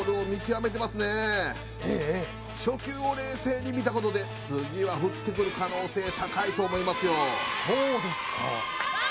しっかり初球を冷静に見たことで次は振ってくる可能性高いと思いますよ